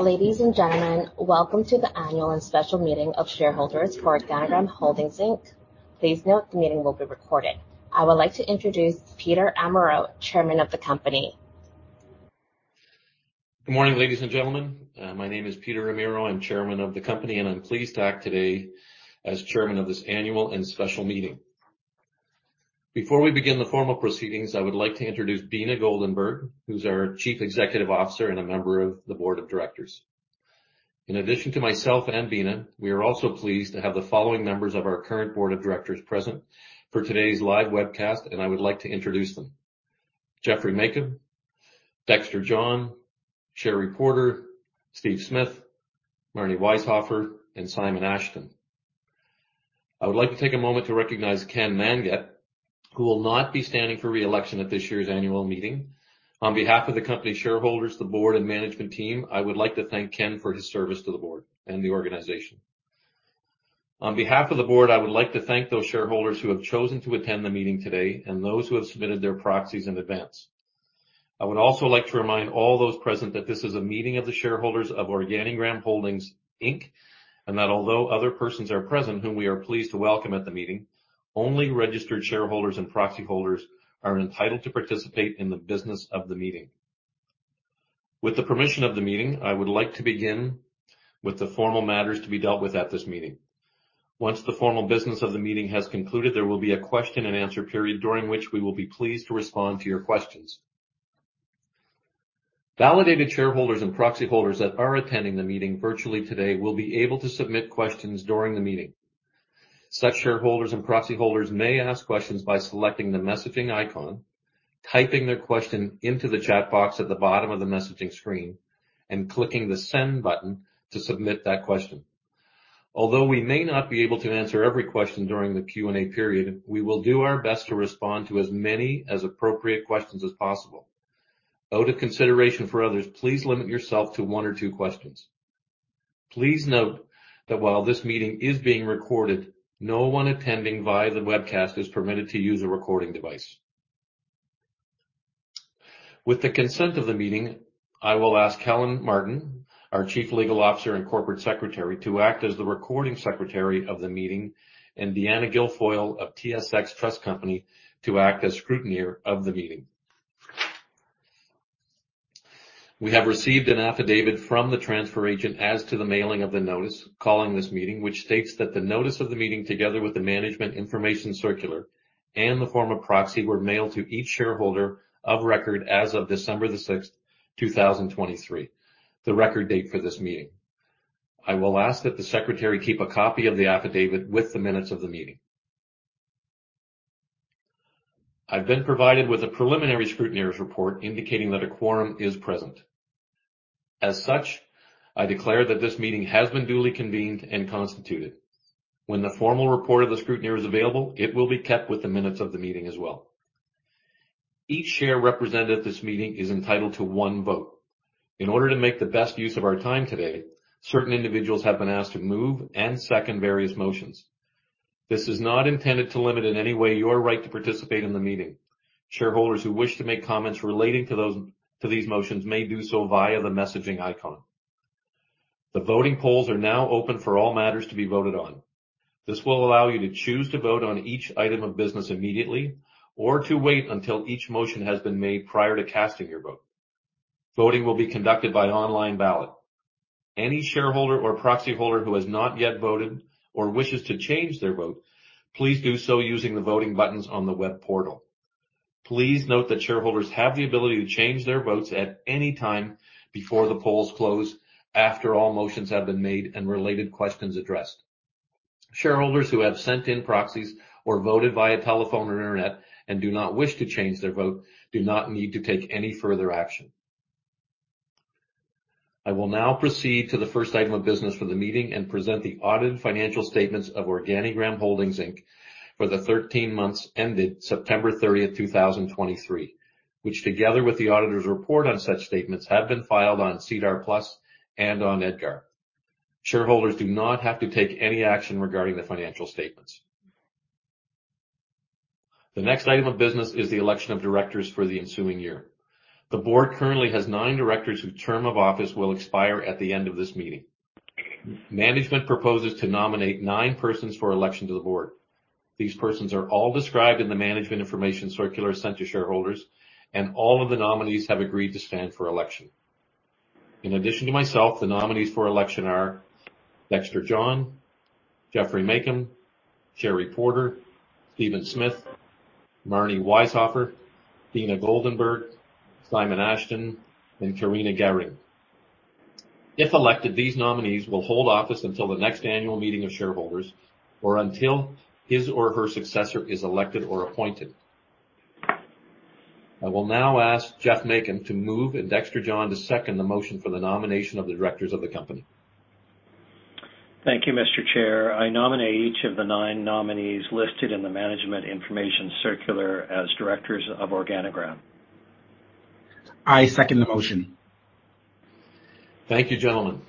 Ladies and gentlemen, welcome to the annual and special meeting of shareholders for Organigram Holdings Inc. Please note, the meeting will be recorded. I would like to introduce Peter Amirault Chairman of the company. Good morning, ladies and gentlemen. My name is Peter Amirault. I'm chairman of the company, and I'm pleased to act today as chairman of this annual and special meeting. Before we begin the formal proceedings, I would like to introduce Beena Goldenberg, who's our Chief Executive Officer and a member of the board of directors. In addition to myself and Beena, we are also pleased to have the following members of our current board of directors present for today's live webcast, and I would like to introduce them. Dexter John, Sherry Porter, Steve Smith, Marni Wieshofer, and Simon Ashton. I would like to take a moment to recognize Ken Manget, who will not be standing for re-election at this year's annual meeting. On behalf of the company, shareholders, the board, and management team, I would like to thank Ken for his service to the board and the organization. On behalf of the board, I would like to thank those shareholders who have chosen to attend the meeting today and those who have submitted their proxies in advance. I would also like to remind all those present that this is a meeting of the shareholders of Organigram Holdings Inc., and that although other persons are present, whom we are pleased to welcome at the meeting, only registered shareholders and proxy holders are entitled to participate in the business of the meeting. With the permission of the meeting, I would like to begin with the formal matters to be dealt with at this meeting. Once the formal business of the meeting has concluded, there will be a question and answer period during which we will be pleased to respond to your questions. Validated shareholders and proxy holders that are attending the meeting virtually today will be able to submit questions during the meeting. Such shareholders and proxy holders may ask questions by selecting the messaging icon, typing their question into the chat box at the bottom of the messaging screen, and clicking the Send button to submit that question. Although we may not be able to answer every question during the Q&A period, we will do our best to respond to as many as appropriate questions as possible. Out of consideration for others, please limit yourself to one or two questions. Please note that while this meeting is being recorded, no one attending via the webcast is permitted to use a recording device. With the consent of the meeting, I will ask Helen Martin, our Chief Legal Officer and Corporate Secretary, to act as the recording secretary of the meeting and Deanna Guilfoyle of TSX Trust Company to act as scrutineer of the meeting. We have received an affidavit from the transfer agent as to the mailing of the notice calling this meeting, which states that the notice of the meeting, together with the management information circular and the form of proxy, were mailed to each shareholder of record as of December 6, 2023, the record date for this meeting. I will ask that the secretary keep a copy of the affidavit with the minutes of the meeting. I've been provided with a preliminary scrutineer's report indicating that a quorum is present. As such, I declare that this meeting has been duly convened and constituted. When the formal report of the scrutineer is available, it will be kept with the minutes of the meeting as well. Each share represented at this meeting is entitled to one vote. In order to make the best use of our time today, certain individuals have been asked to move and second various motions. This is not intended to limit in any way your right to participate in the meeting. Shareholders who wish to make comments relating to those, to these motions may do so via the messaging icon. The voting polls are now open for all matters to be voted on. This will allow you to choose to vote on each item of business immediately or to wait until each motion has been made prior to casting your vote. Voting will be conducted by online ballot. Any shareholder or proxy holder who has not yet voted or wishes to change their vote, please do so using the voting buttons on the web portal. Please note that shareholders have the ability to change their votes at any time before the polls close, after all motions have been made and related questions addressed. Shareholders who have sent in proxies or voted via telephone or internet and do not wish to change their vote, do not need to take any further action. I will now proceed to the first item of business for the meeting and present the audited financial statements of Organigram Holdings Inc. for the 13 months ended September 30th 2023, which, together with the auditor's report on such statements, have been filed on SEDAR+ and on EDGAR. Shareholders do not have to take any action regarding the financial statements. The next item of business is the election of directors for the ensuing year. The board currently has nine directors whose term of office will expire at the end of this meeting. Management proposes to nominate nine persons for election to the board. These persons are all described in the management information circular sent to shareholders, and all of the nominees have agreed to stand for election. In addition to myself, the nominees for election are Dexter John,, Sherry Porter, Stephen Smith, Marni Wieshofer, Beena Goldenberg, Simon Ashton, and Karina Gehring. If elected, these nominees will hold office until the next annual meeting of shareholders or until his or her successor is elected or appointed. I will now ask Geoff Machum to move and Dexter John to second the motion for the nomination of the directors of the company. Thank you, Mr. Chair. I nominate each of the nine nominees listed in the management information circular as directors of Organigram. I second the motion. Thank you, gentlemen.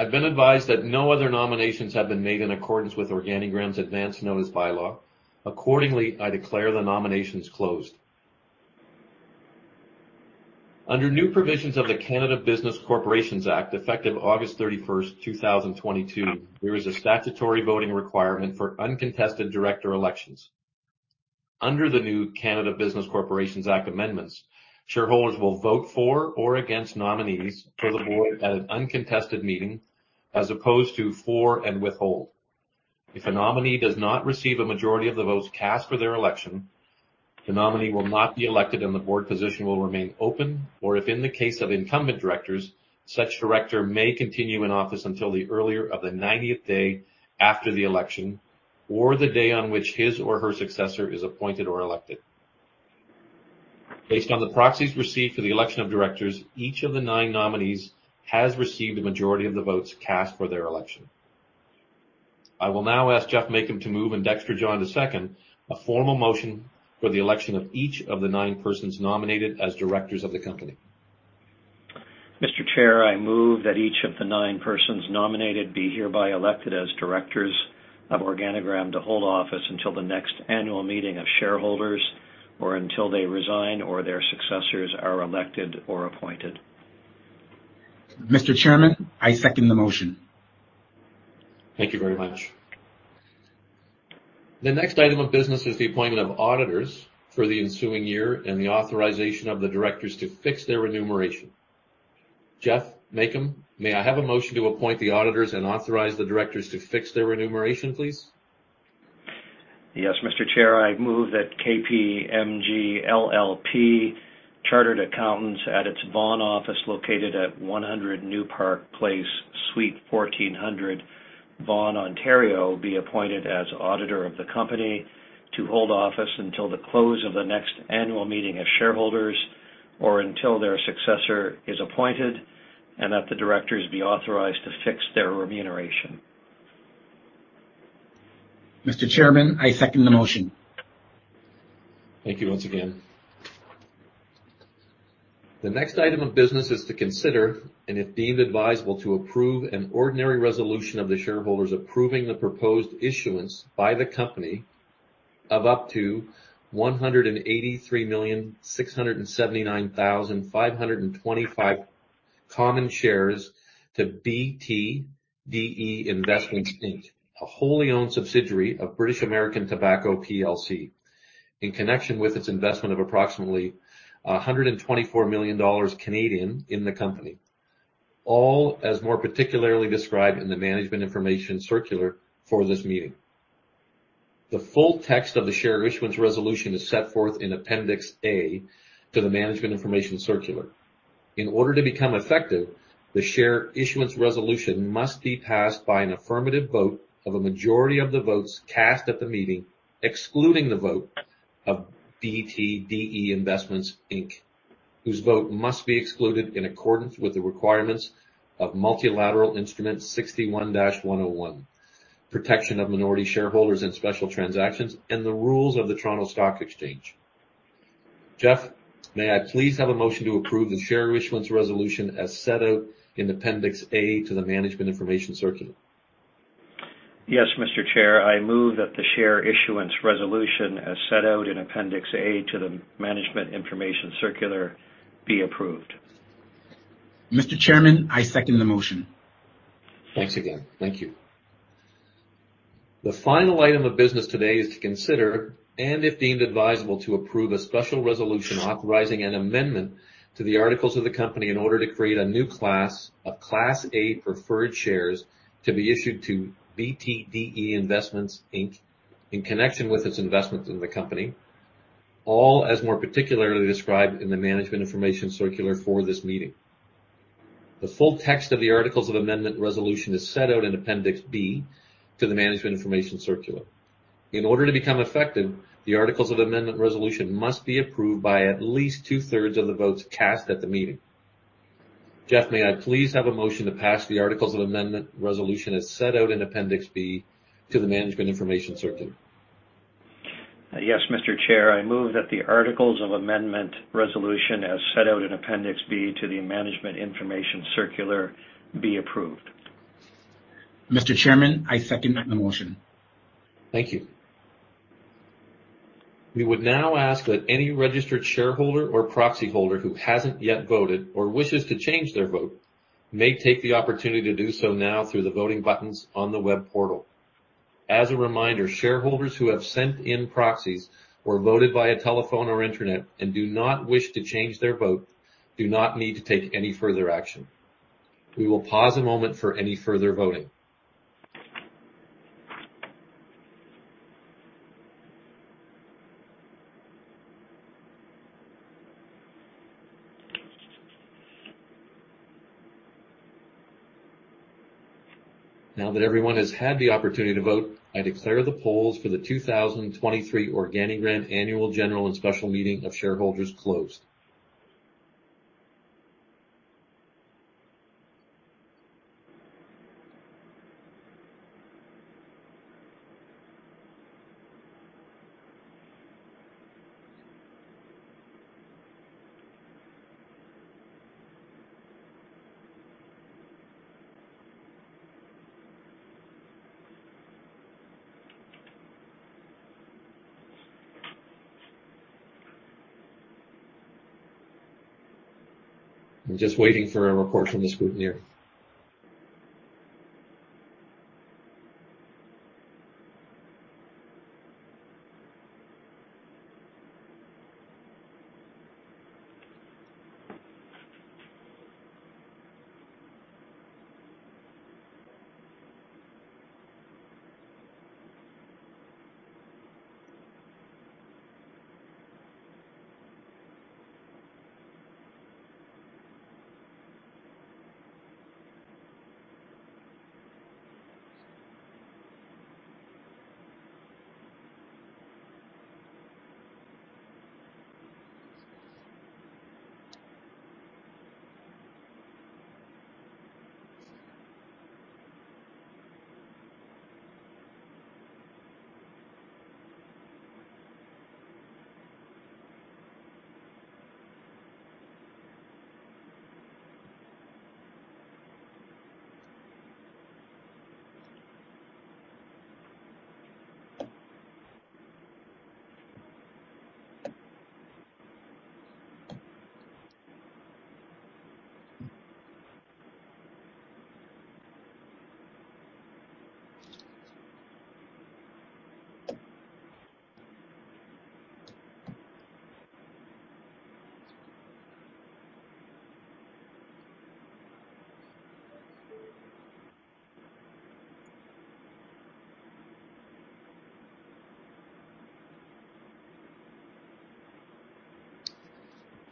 I've been advised that no other nominations have been made in accordance with Organigram's advance notice bylaw. Accordingly, I declare the nominations closed. Under new provisions of the Canada Business Corporations Act, effective August 31, 2022, there is a statutory voting requirement for uncontested director elections. Under the new Canada Business Corporations Act amendments, shareholders will vote for or against nominees for the board at an uncontested meeting, as opposed to for and withhold. If a nominee does not receive a majority of the votes cast for their election, the nominee will not be elected, and the board position will remain open, or if in the case of incumbent directors, such director may continue in office until the earlier of the 90th day after the election or the day on which his or her successor is appointed or elected. Based on the proxies received for the election of directors, each of the nine nominees has received a majority of the votes cast for their election. I will now ask Geoff Machum to move, and Dexter John to second a formal motion for the election of each of the nine persons nominated as directors of the company. Mr. Chair, I move that each of the nine persons nominated be hereby elected as directors of Organigram to hold office until the next annual meeting of shareholders or until they resign or their successors are elected or appointed. Mr. Chairman, I second the motion. Thank you very much. The next item of business is the appointment of auditors for the ensuing year and the authorization of the directors to fix their remuneration., may I have a motion to appoint the auditors and authorize the directors to fix their remuneration, please? Yes, Mr. Chair, I move that KPMG LLP, chartered accountants at its Vaughan office, located at 100 New Park Place, Suite 1400, Vaughan, Ontario, be appointed as auditor of the company to hold office until the close of the next annual meeting of shareholders or until their successor is appointed, and that the directors be authorized to fix their remuneration. Mr. Chairman, I second the motion. Thank you once again. The next item of business is to consider, and if deemed advisable, to approve an ordinary resolution of the shareholders approving the proposed issuance by the company of up to 183,679,525 common shares to BT DE Investments Inc., a wholly owned subsidiary of British American Tobacco p.l.c., in connection with its investment of approximately 124 million Canadian dollars in the company, all as more particularly described in the management information circular for this meeting. The full text of the share issuance resolution is set forth in Appendix A to the management information circular. In order to become effective, the share issuance resolution must be passed by an affirmative vote of a majority of the votes cast at the meeting, excluding the vote of BT DE Investments Inc., whose vote must be excluded in accordance with the requirements of Multilateral Instrument 61-101, Protection of Minority Shareholders in Special Transactions and the rules of the Toronto Stock Exchange. Geoff, may I please have a motion to approve the share issuance resolution as set out in Appendix A to the management information circular? Yes, Mr. Chair. I move that the share issuance resolution, as set out in Appendix A to the management information circular, be approved. Mr. Chairman, I second the motion. Thanks again. Thank you. The final item of business today is to consider, and if deemed advisable, to approve a special resolution authorizing an amendment to the articles of the company in order to create a new class of Class A preferred shares, to be issued to BT DE Investments Inc., in connection with its investment in the company, all as more particularly described in the management information circular for this meeting. The full text of the articles of amendment resolution is set out in Appendix B to the management information circular. In order to become effective, the articles of amendment resolution must be approved by at least two-thirds of the votes cast at the meeting. Geoff, may I please have a motion to pass the articles of amendment resolution as set out in Appendix B to the management information circular? Yes, Mr. Chair. I move that the articles of amendment resolution, as set out in Appendix B to the management information circular, be approved. Mr. Chairman, I second that the motion. Thank you. We would now ask that any registered shareholder or proxy holder who hasn't yet voted or wishes to change their vote may take the opportunity to do so now through the voting buttons on the web portal. As a reminder, shareholders who have sent in proxies or voted via telephone or internet and do not wish to change their vote, do not need to take any further action. We will pause a moment for any further voting. Now that everyone has had the opportunity to vote, I declare the polls for the 2023 Organigram Annual, General, and Special Meeting of Shareholders closed. I'm just waiting for a report from the scrutineer.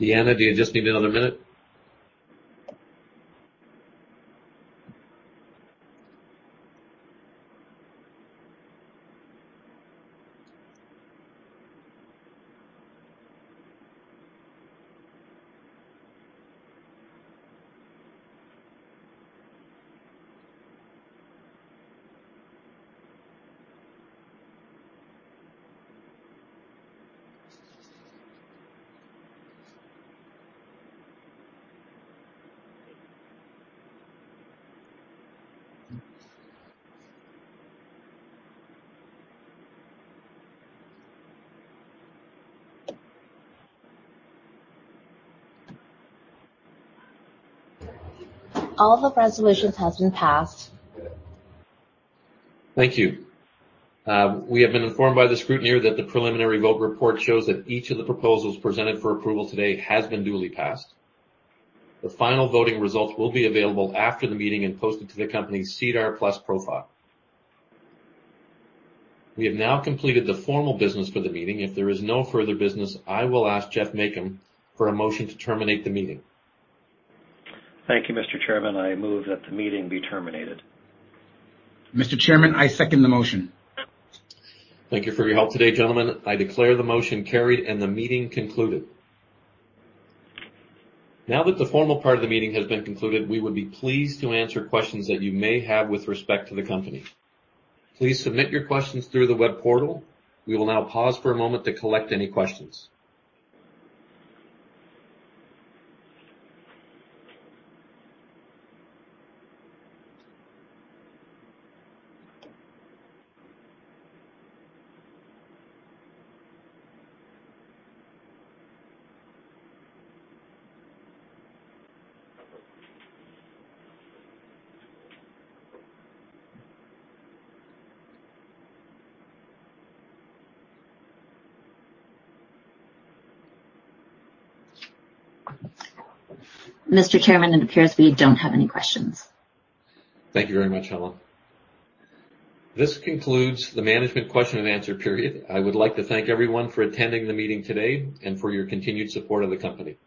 Deanna, do you just need another minute? All the resolutions have been passed. Thank you. We have been informed by the scrutineer that the preliminary vote report shows that each of the proposals presented for approval today has been duly passed. The final voting results will be available after the meeting and posted to the company's SEDAR+ profile. We have now completed the formal business for the meeting. If there is no further business, I will ask Geoff Machum for a motion to terminate the meeting. Thank you, Mr. Chairman. I move that the meeting be terminated. Mr. Chairman, I second the motion. Thank you for your help today, gentlemen. I declare the motion carried and the meeting concluded. Now that the formal part of the meeting has been concluded, we would be pleased to answer questions that you may have with respect to the company. Please submit your questions through the web portal. We will now pause for a moment to collect any questions. Mr. Chairman, it appears we don't have any questions. Thank you very much, Helen. This concludes the management question and answer period. I would like to thank everyone for attending the meeting today and for your continued support of the company.